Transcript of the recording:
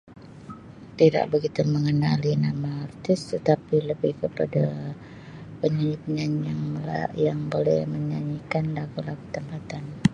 Tidak begitu mengenali nama artis tetapi lebih kepada penyanyi penyanyi [unintelligible] yang boleh menyanyikan lagu-lagu tempatan.